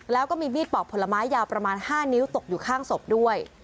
แล้วก็มีมีดปอกผลไม้ยาวประมาณ๕นิ้วตกอยู่ข้างศพด้วย